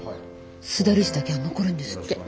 須田理事だけは残るんですって。